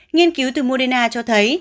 nhiên cứu từ moderna cho thấy